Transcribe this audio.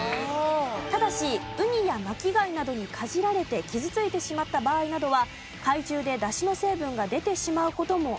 ただしウニや巻き貝などにかじられて傷ついてしまった場合などは海中でダシの成分が出てしまう事もあるようです。